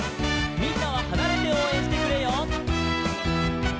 「みんなははなれておうえんしてくれよ」